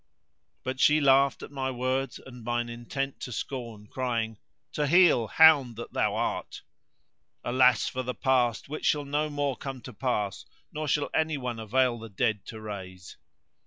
But she laughed my words and mine intent to scorn crying: To heel, hound that thou art! Alas[FN#130] for the past which shall no more come to pass nor shall any one avail the dead to raise.